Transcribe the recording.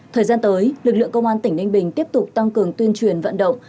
thời gian tới lực lượng công an tỉnh ninh bình tiếp tục tăng cường tuyên truyền vận động